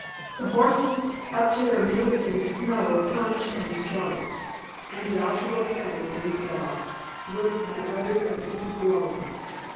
The horses, up to their middles in snow, plunged and struggled, and Joshua Peniman leaped out, looked, and uttered a deep groan.